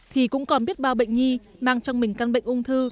thì cũng còn biết bao bệnh nhi mang trong mình căn bệnh ung thư